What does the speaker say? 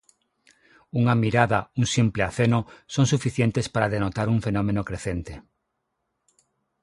Unha mirada, un simple aceno, son suficientes para denotar un fenómeno crecente.